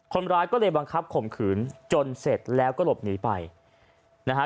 คนร้ายก็เลยบังคับข่มขืนจนเสร็จแล้วก็หลบหนีไปนะฮะ